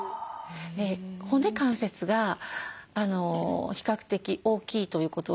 骨関節が比較的大きいということは末端ですね